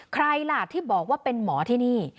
ใครล่ะที่บอกว่าเป็นหมอที่นี่